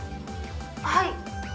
はい。